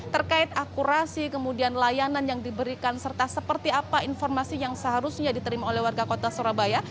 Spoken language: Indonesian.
terkait akurasi kemudian layanan yang diberikan serta seperti apa informasi yang seharusnya diterima oleh warga kota surabaya